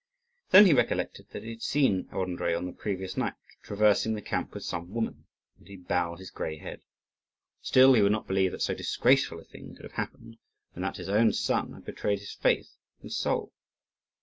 Then he recollected that he had seen Andrii on the previous night traversing the camp with some woman, and he bowed his grey head. Still he would not believe that so disgraceful a thing could have happened, and that his own son had betrayed his faith and soul.